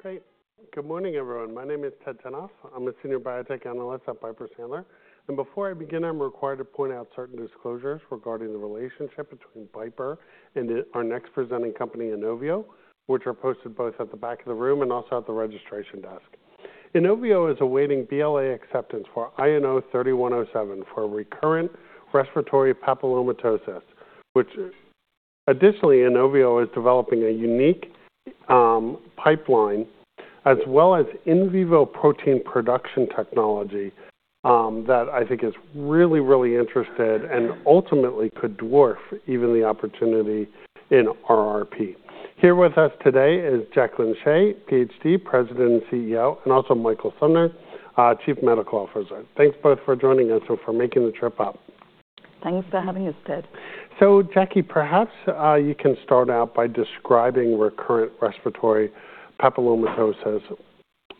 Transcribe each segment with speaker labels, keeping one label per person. Speaker 1: Okay. Good morning, everyone. My name is Ted Tenthoff. I'm a senior biotech analyst at Piper Sandler. Before I begin, I'm required to point out certain disclosures regarding the relationship between Piper and our next presenting company, Inovio, which are posted both at the back of the room and also at the registration desk. Inovio is awaiting BLA acceptance for INO-3107 for recurrent respiratory papillomatosis, which additionally, Inovio is developing a unique pipeline as well as in vivo protein production technology that I think is really, really interesting and ultimately could dwarf even the opportunity in RRP. Here with us today is Jacqueline Shea, PhD, President and CEO, and also Michael Sumner, Chief Medical Officer. Thanks both for joining us and for making the trip up.
Speaker 2: Thanks for having us, Ted.
Speaker 1: Jackie, perhaps you can start out by describing recurrent respiratory papillomatosis.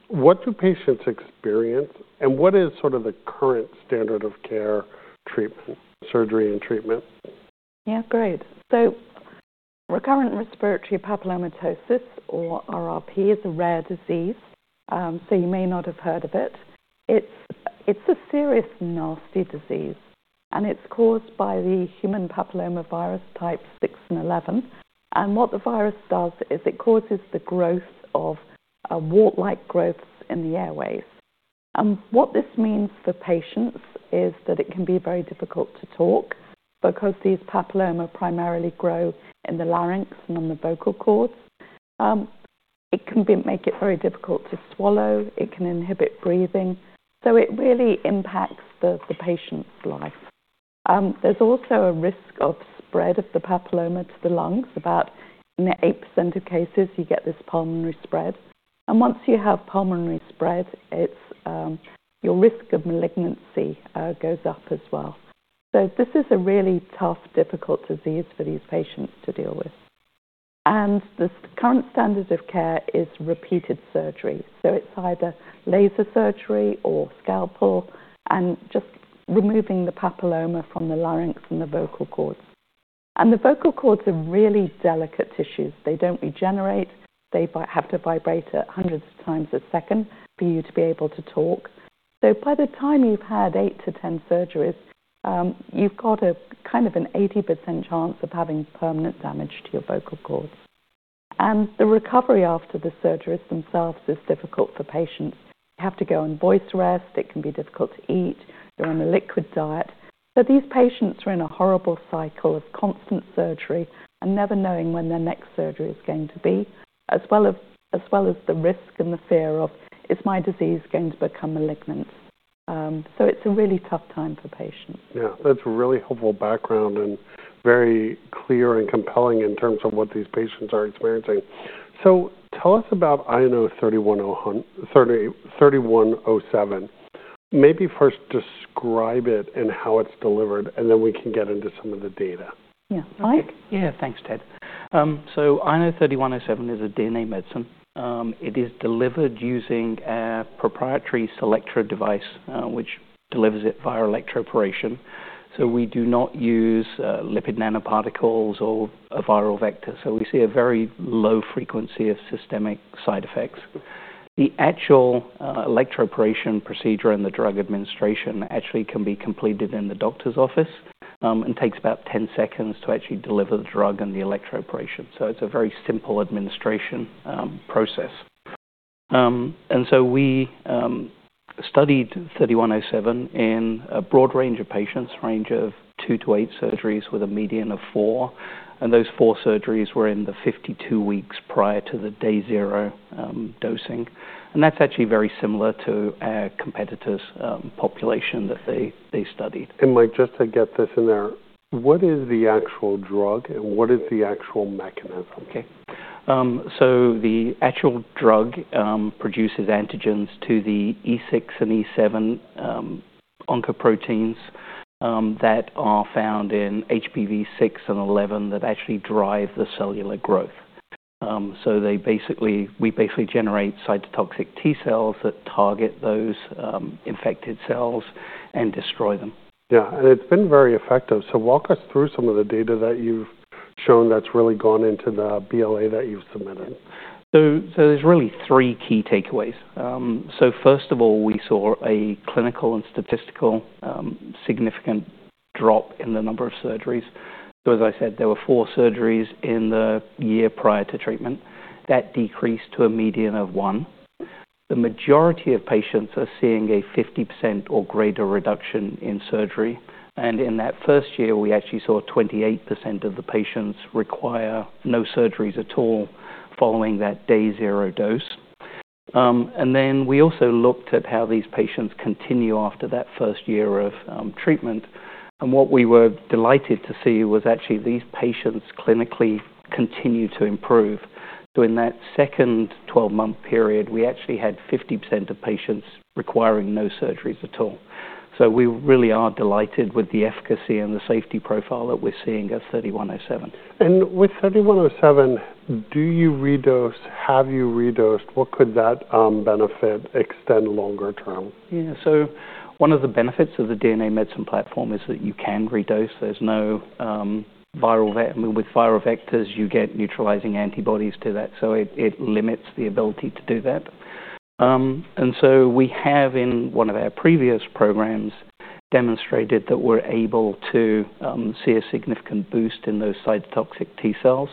Speaker 1: What do patients experience, and what is sort of the current standard of care, treatment, surgery, and treatment?
Speaker 2: Yeah, great. Recurrent respiratory papillomatosis, or RRP, is a rare disease. You may not have heard of it. It's a serious, nasty disease, and it's caused by the human papillomavirus type 6 and 11. What the virus does is it causes the growth of wart-like growths in the airways. What this means for patients is that it can be very difficult to talk because these papillomas primarily grow in the larynx and on the vocal cords. It can make it very difficult to swallow. It can inhibit breathing. It really impacts the patient's life. There's also a risk of spread of the papilloma to the lungs. About 8% of cases, you get this pulmonary spread. Once you have pulmonary spread, your risk of malignancy goes up as well. This is a really tough, difficult disease for these patients to deal with. The current standard of care is repeated surgery. It is either laser surgery or scalpel and just removing the papilloma from the larynx and the vocal cords. The vocal cords are really delicate tissues. They do not regenerate. They have to vibrate hundreds of times a second for you to be able to talk. By the time you have had eight to 10 surgeries, you have a kind of an 80% chance of having permanent damage to your vocal cords. The recovery after the surgeries themselves is difficult for patients. You have to go on voice rest. It can be difficult to eat. They are on a liquid diet. These patients are in a horrible cycle of constant surgery and never knowing when their next surgery is going to be, as well as the risk and the fear of, is my disease going to become malignant? It's a really tough time for patients.
Speaker 1: Yeah, that's a really helpful background and very clear and compelling in terms of what these patients are experiencing. Tell us about INO-3107. Maybe first describe it and how it's delivered, and then we can get into some of the data.
Speaker 2: Yeah, thanks.
Speaker 3: Yeah, thanks, Ted. INO-3107 is a DNA medicine. It is delivered using a proprietary CELLECTRA device, which delivers it via electroporation. We do not use lipid nanoparticles or a viral vector. We see a very low frequency of systemic side effects. The actual electroporation procedure and the drug administration actually can be completed in the doctor's office and takes about 10 seconds to actually deliver the drug and the electroporation. It's a very simple administration process. We studied 3107 in a broad range of patients, a range of two to eight surgeries with a median of four. Those four surgeries were in the 52 weeks prior to the day zero dosing. That's actually very similar to our competitor's population that they studied.
Speaker 1: Mike, just to get this in there, what is the actual drug and what is the actual mechanism?
Speaker 3: Okay. The actual drug produces antigens to the E6 and E7 oncoproteins that are found in HPV 6 and 11 that actually drive the cellular growth. We basically generate cytotoxic T cells that target those infected cells and destroy them.
Speaker 1: Yeah, and it's been very effective. Walk us through some of the data that you've shown that's really gone into the BLA that you've submitted.
Speaker 3: There are really three key takeaways. First of all, we saw a clinical and statistical significant drop in the number of surgeries. As I said, there were four surgeries in the year prior to treatment. That decreased to a median of one. The majority of patients are seeing a 50% or greater reduction in surgery. In that first year, we actually saw 28% of the patients require no surgeries at all following that day zero dose. We also looked at how these patients continue after that first year of treatment. What we were delighted to see was actually these patients clinically continue to improve. In that second 12-month period, we actually had 50% of patients requiring no surgeries at all. We really are delighted with the efficacy and the safety profile that we're seeing of 3107.
Speaker 1: With 3107, do you redose, have you redosed, what could that benefit extend longer term?
Speaker 3: Yeah, so one of the benefits of the DNA medicine platform is that you can redose. There's no viral vectors. You get neutralizing antibodies to that. It limits the ability to do that. We have, in one of our previous programs, demonstrated that we're able to see a significant boost in those cytotoxic T cells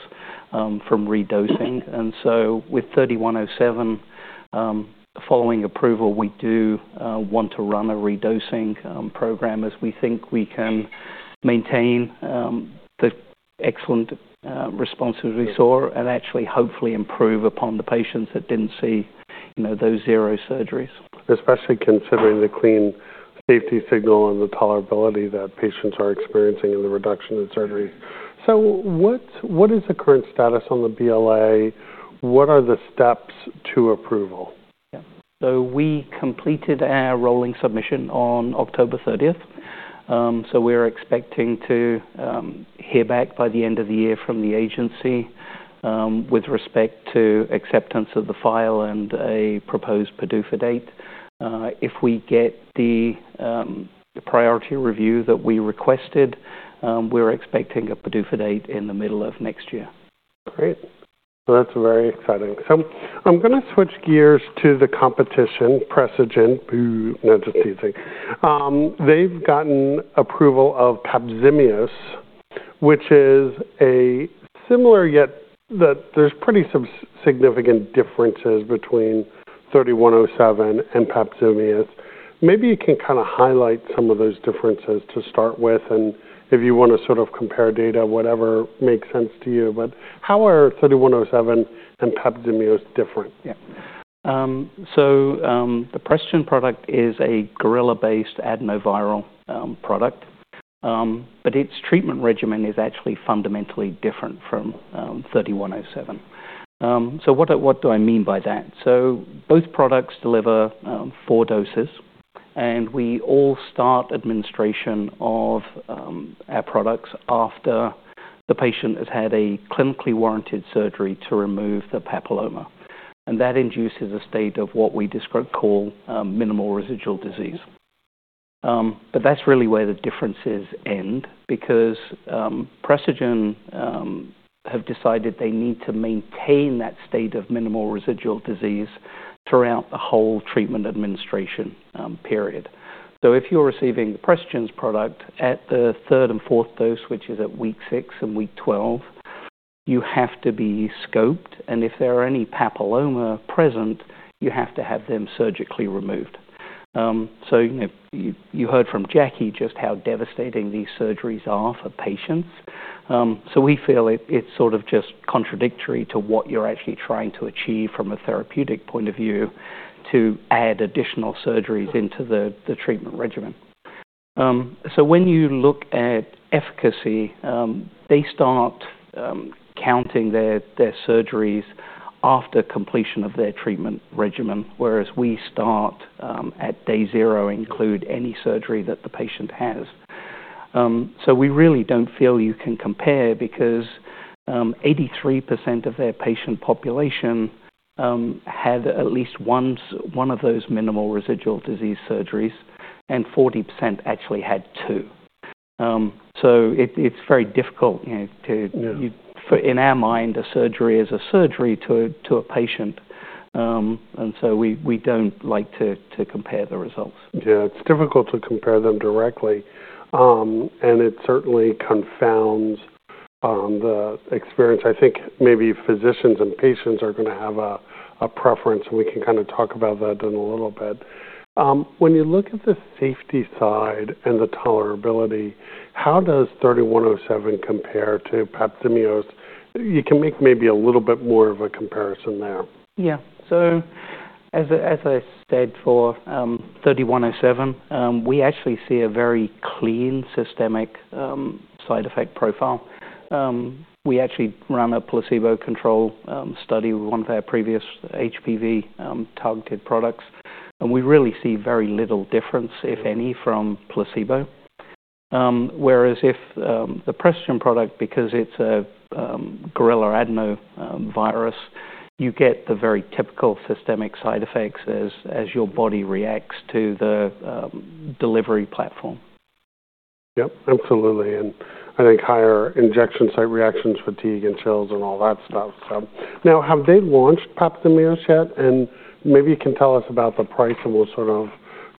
Speaker 3: from redosing. With 3107, following approval, we do want to run a redosing program as we think we can maintain the excellent response we saw and actually hopefully improve upon the patients that didn't see those zero surgeries.
Speaker 1: Especially considering the clean safety signal and the tolerability that patients are experiencing in the reduction of surgery. What is the current status on the BLA? What are the steps to approval?
Speaker 3: Yeah, so we completed our rolling submission on October 30th. So we're expecting to hear back by the end of the year from the agency with respect to acceptance of the file and a proposed PDUFA date. If we get the priority review that we requested, we're expecting a PDUFA date in the middle of next year.
Speaker 1: Great. That is very exciting. I am going to switch gears to the competition, Precigen. They have gotten approval of PRGN-2012, which is similar yet there are pretty significant differences between 3107 and PRGN-2012. Maybe you can kind of highlight some of those differences to start with, and if you want to sort of compare data, whatever makes sense to you. How are 3107 and PRGN-2012 different?
Speaker 3: Yeah. The Precigen product is a gorilla-based adenoviral product, but its treatment regimen is actually fundamentally different from 3107. What do I mean by that? Both products deliver four doses, and we all start administration of our products after the patient has had a clinically warranted surgery to remove the papilloma. That induces a state of what we call minimal residual disease. That's really where the differences end because Precigen have decided they need to maintain that state of minimal residual disease throughout the whole treatment administration period. If you're receiving the Precigen product at the third and fourth dose, which is at week six and week 12, you have to be scoped. If there are any papillomas present, you have to have them surgically removed. You heard from Jackie just how devastating these surgeries are for patients. We feel it's sort of just contradictory to what you're actually trying to achieve from a therapeutic point of view to add additional surgeries into the treatment regimen. When you look at efficacy, they start counting their surgeries after completion of their treatment regimen, whereas we start at day zero and include any surgery that the patient has. We really don't feel you can compare because 83% of their patient population had at least one of those minimal residual disease surgeries, and 40% actually had two. It's very difficult to, in our mind, a surgery is a surgery to a patient. We don't like to compare the results.
Speaker 1: Yeah, it's difficult to compare them directly. It certainly confounds the experience. I think maybe physicians and patients are going to have a preference, and we can kind of talk about that in a little bit. When you look at the safety side and the tolerability, how does 3107 compare to PRGN-2012? You can make maybe a little bit more of a comparison there.
Speaker 3: Yeah. As I said for 3107, we actually see a very clean systemic side effect profile. We actually ran a placebo control study with one of our previous HPV targeted products. We really see very little difference, if any, from placebo. Whereas with the Precigen product, because it's a gorilla adenovirus, you get the very typical systemic side effects as your body reacts to the delivery platform.
Speaker 1: Yep, absolutely. I think higher injection site reactions, fatigue and chills and all that stuff. Now, have they launched PRGN-2012 yet? Maybe you can tell us about the price, and we'll sort of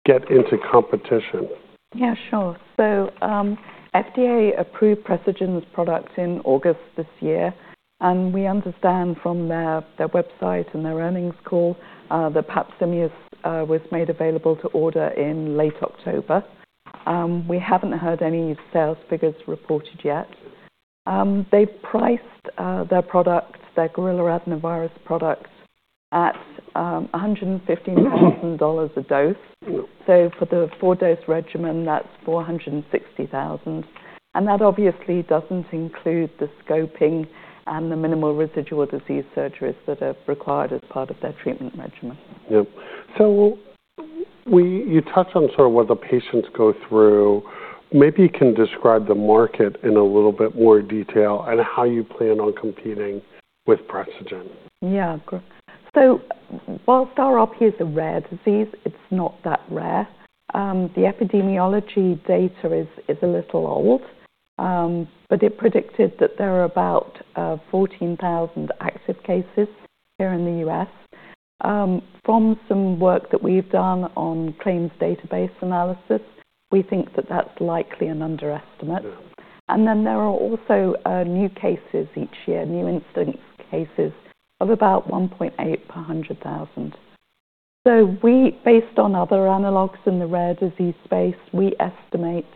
Speaker 1: get into competition.
Speaker 2: Yeah, sure. FDA approved Precigen's products in August this year. We understand from their website and their earnings call that PRGN-2012 was made available to order in late October. We haven't heard any sales figures reported yet. They've priced their product, their gorilla adenovirus product, at $115,000 a dose. For the four-dose regimen, that's $460,000. That obviously doesn't include the scoping and the minimal residual disease surgeries that are required as part of their treatment regimen.
Speaker 1: Yep. You touched on sort of what the patients go through. Maybe you can describe the market in a little bit more detail and how you plan on competing with Precigen.
Speaker 2: Yeah. Whilst RRP is a rare disease, it's not that rare. The epidemiology data is a little old, but it predicted that there are about 14,000 active cases here in the U.S. From some work that we've done on claims database analysis, we think that that's likely an underestimate. There are also new cases each year, new incident cases of about 1.8 per 100,000. Based on other analogs in the rare disease space, we estimate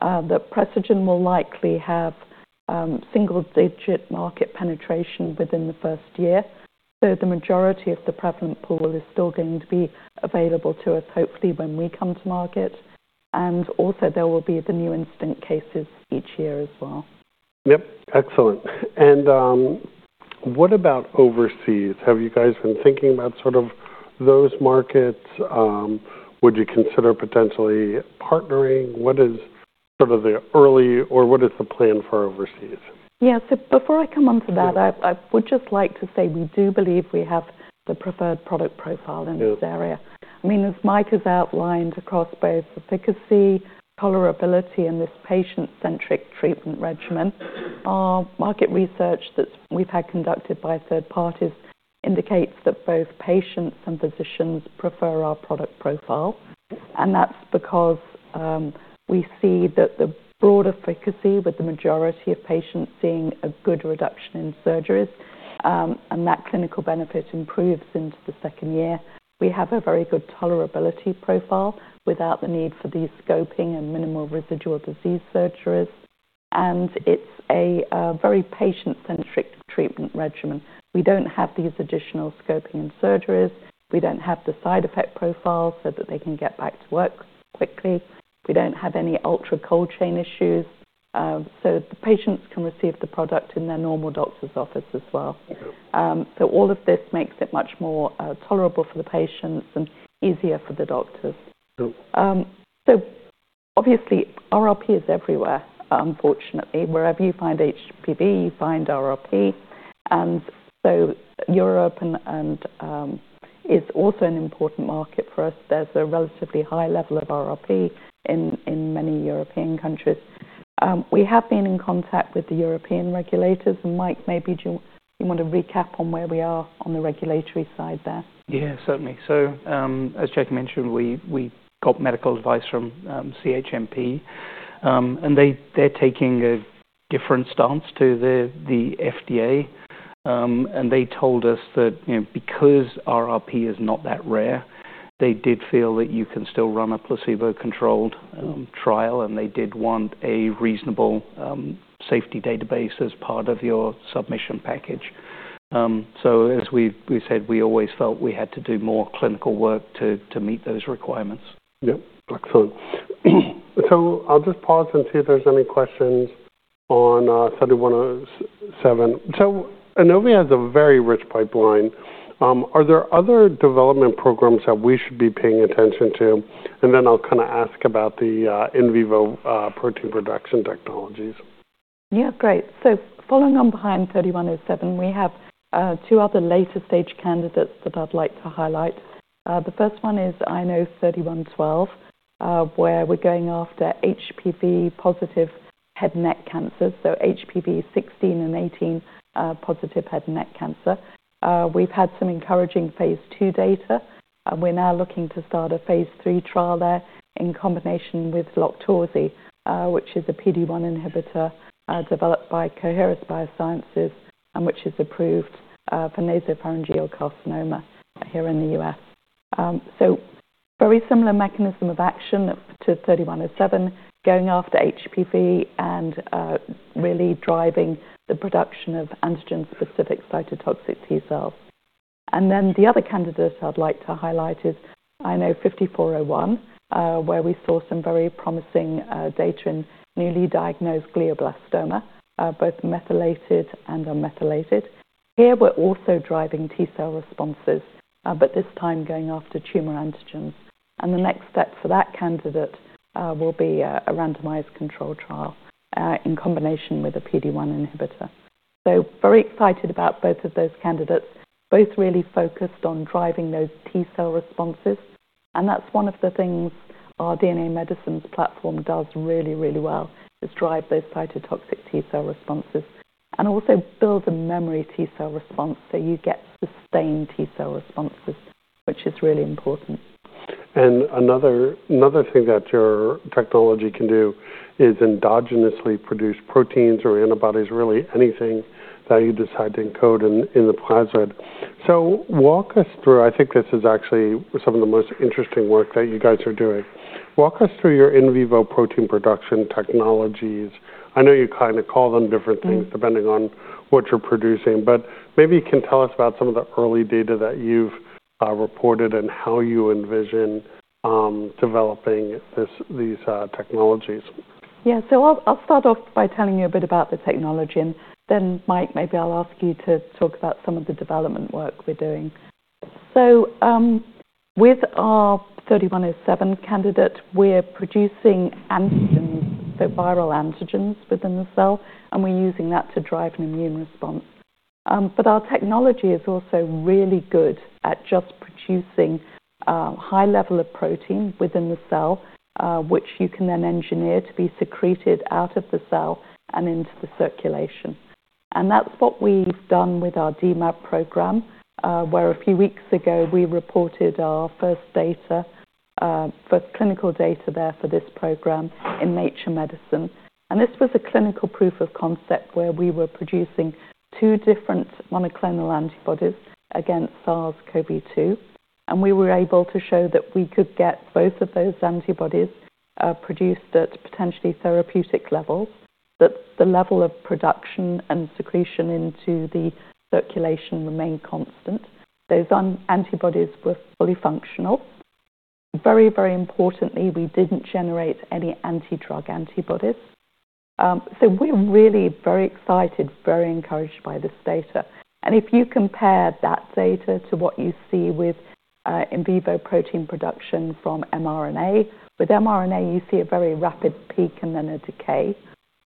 Speaker 2: that Precigen will likely have single-digit market penetration within the first year. The majority of the prevalent pool is still going to be available to us, hopefully when we come to market. There will be the new incident cases each year as well.
Speaker 1: Yep, excellent. What about overseas? Have you guys been thinking about sort of those markets? Would you consider potentially partnering? What is sort of the early, or what is the plan for overseas?
Speaker 2: Yeah, before I come on to that, I would just like to say we do believe we have the preferred product profile in this area. I mean, as Mike has outlined across both efficacy, tolerability, and this patient-centric treatment regimen, our market research that we've had conducted by third parties indicates that both patients and physicians prefer our product profile. That's because we see that the broader efficacy with the majority of patients seeing a good reduction in surgeries and that clinical benefit improves into the second year, we have a very good tolerability profile without the need for these scoping and minimal residual disease surgeries. It's a very patient-centric treatment regimen. We don't have these additional scoping and surgeries. We don't have the side effect profile so that they can get back to work quickly. We don't have any ultra cold chain issues. The patients can receive the product in their normal doctor's office as well. All of this makes it much more tolerable for the patients and easier for the doctors. Obviously, RRP is everywhere, unfortunately. Wherever you find HPV, you find RRP. Europe is also an important market for us. There is a relatively high level of RRP in many European countries. We have been in contact with the European regulators. Mike, maybe you want to recap on where we are on the regulatory side there?
Speaker 3: Yeah, certainly. As Jackie mentioned, we got medical advice from CHMP. They're taking a different stance to the FDA. They told us that because RRP is not that rare, they did feel that you can still run a placebo-controlled trial, and they did want a reasonable safety database as part of your submission package. As we said, we always felt we had to do more clinical work to meet those requirements.
Speaker 1: Yep, excellent. I'll just pause and see if there's any questions on 3107. Inovio has a very rich pipeline. Are there other development programs that we should be paying attention to? Then I'll kind of ask about the in vivo protein production technologies.
Speaker 2: Yeah, great. Following on behind 3107, we have two other later stage candidates that I'd like to highlight. The first one is INO-3112, where we're going after HPV-positive head and neck cancers. HPV 16 and 18 positive head and neck cancer. We've had some encouraging phase two data. We're now looking to start a phase three trial there in combination with Loqtorzi, which is a PD-1 inhibitor developed by Coherus BioSciences, which is approved for nasopharyngeal carcinoma here in the U.S. Very similar mechanism of action to 3107, going after HPV and really driving the production of antigen-specific cytotoxic T cells. The other candidate I'd like to highlight is INO-5401, where we saw some very promising data in newly diagnosed glioblastoma, both methylated and unmethylated. Here we're also driving T cell responses, but this time going after tumor antigens. The next step for that candidate will be a randomized control trial in combination with a PD-1 inhibitor. Very excited about both of those candidates, both really focused on driving those T cell responses. That is one of the things our DNA Medicines platform does really, really well, is drive those cytotoxic T cell responses and also build a memory T cell response so you get sustained T cell responses, which is really important.
Speaker 1: Another thing that your technology can do is endogenously produce proteins or antibodies, really anything that you decide to encode in the plasmid. Walk us through, I think this is actually some of the most interesting work that you guys are doing. Walk us through your in vivo protein production technologies. I know you kind of call them different things depending on what you're producing, but maybe you can tell us about some of the early data that you've reported and how you envision developing these technologies.
Speaker 2: Yeah, I'll start off by telling you a bit about the technology. Mike, maybe I'll ask you to talk about some of the development work we're doing. With our 3107 candidate, we're producing antigens, so viral antigens within the cell, and we're using that to drive an immune response. Our technology is also really good at just producing high-level of protein within the cell, which you can then engineer to be secreted out of the cell and into the circulation. That's what we've done with our dMAb program, where a few weeks ago we reported our first data, first clinical data there for this program in Nature Medicine. This was a clinical proof of concept where we were producing two different monoclonal antibodies against SARS-CoV-2. We were able to show that we could get both of those antibodies produced at potentially therapeutic levels, that the level of production and secretion into the circulation remained constant. Those antibodies were fully functional. Very, very importantly, we did not generate any anti-drug antibodies. We are really very excited, very encouraged by this data. If you compare that data to what you see with in vivo protein production from mRNA, with mRNA, you see a very rapid peak and then a decay.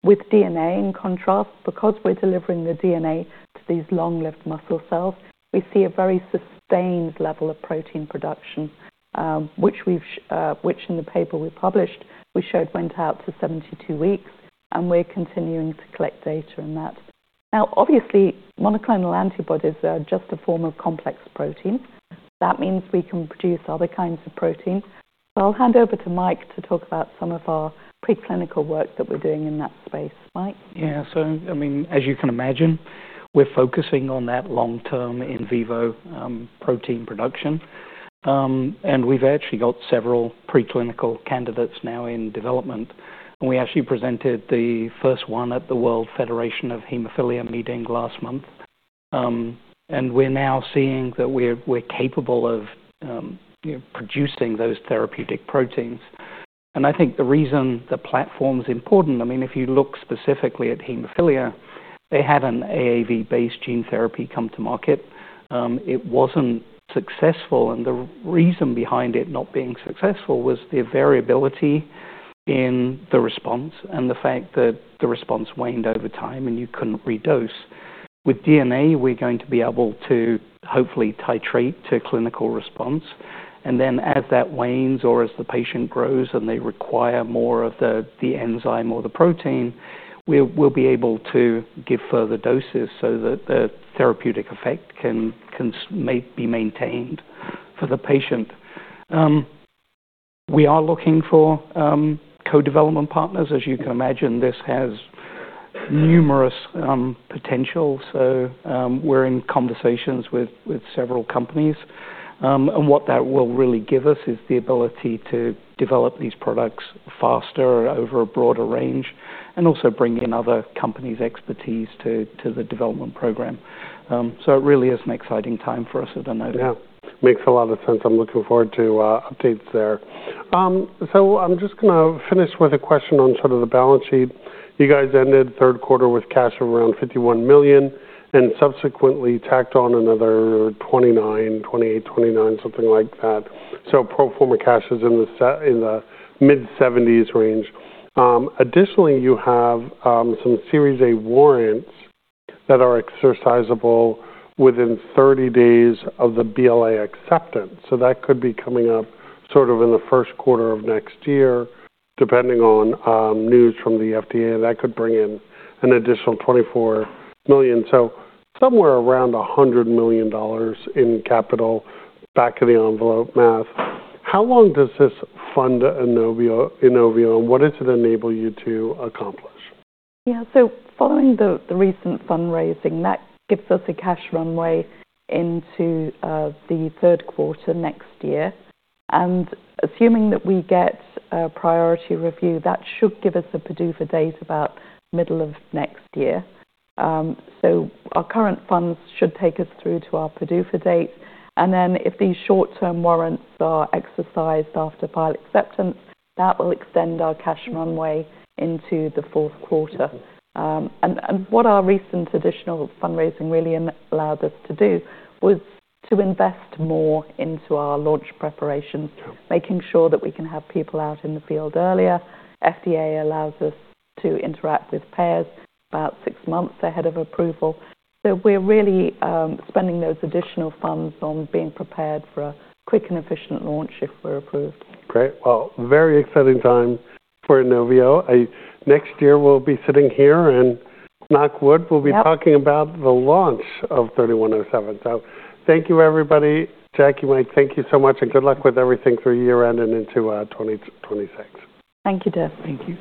Speaker 2: With DNA, in contrast, because we are delivering the DNA to these long-lived muscle cells, we see a very sustained level of protein production, which in the paper we published, we showed went out to 72 weeks, and we are continuing to collect data in that. Obviously, monoclonal antibodies are just a form of complex protein. That means we can produce other kinds of protein. I'll hand over to Mike to talk about some of our preclinical work that we're doing in that space. Mike?
Speaker 3: Yeah, so I mean, as you can imagine, we're focusing on that long-term in vivo protein production. We've actually got several preclinical candidates now in development. We actually presented the first one at the World Federation of Haemophilia meeting last month. We're now seeing that we're capable of producing those therapeutic proteins. I think the reason the platform's important, I mean, if you look specifically at haemophilia, they had an AAV-based gene therapy come to market. It wasn't successful. The reason behind it not being successful was the variability in the response and the fact that the response waned over time and you couldn't redose. With DNA, we're going to be able to hopefully titrate to clinical response. As that wanes or as the patient grows and they require more of the enzyme or the protein, we'll be able to give further doses so that the therapeutic effect can be maintained for the patient. We are looking for co-development partners. As you can imagine, this has numerous potential. We are in conversations with several companies. What that will really give us is the ability to develop these products faster over a broader range and also bring in other companies' expertise to the development program. It really is an exciting time for us at Inovio.
Speaker 1: Yeah, makes a lot of sense. I'm looking forward to updates there. I'm just going to finish with a question on sort of the balance sheet. You guys ended third quarter with cash of around $51 million and subsequently tacked on another $29, $28, $29, something like that. Pro forma cash is in the mid-$70 million range. Additionally, you have some Series A warrants that are exercisable within 30 days of the BLA acceptance. That could be coming up sort of in the first quarter of next year, depending on news from the FDA. That could bring in an additional $24 million. Somewhere around $100 million in capital, back of the envelope math. How long does this fund Inovio, and what does it enable you to accomplish?
Speaker 2: Yeah, so following the recent fundraising, that gives us a cash runway into the third quarter next year. Assuming that we get a priority review, that should give us a PDUFA date about middle of next year. Our current funds should take us through to our PDUFA date. If these short-term warrants are exercised after pilot acceptance, that will extend our cash runway into the fourth quarter. What our recent additional fundraising really allowed us to do was to invest more into our launch preparations, making sure that we can have people out in the field earlier. FDA allows us to interact with payers about six months ahead of approval. We are really spending those additional funds on being prepared for a quick and efficient launch if we are approved.
Speaker 1: Great. Very exciting time for Inovio. Next year, we'll be sitting here and knock wood, we'll be talking about the launch of 3107. Thank you, everybody. Jackie, Mike, thank you so much. Good luck with everything through year end and into 2026.
Speaker 2: Thank you, Ted. Thank you.